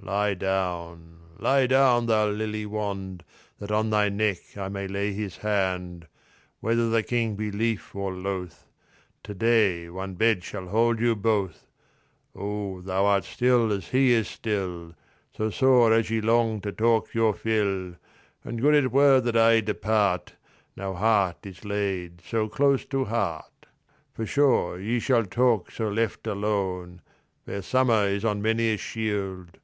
Lie down, lie down, thou lily wand That on thy neck I may lay his hand. Whether the King be lief or loth To day one bed shall hold you both. O thou art still as he is still, So sore as ye longed to talk your fill And good it were that I depart, Now heart is laid so close to heart. For sure ye shall talk so left alone _Fair summer is on many a shield.